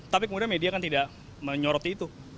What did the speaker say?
tapi kemudian media kan tidak menyoroti itu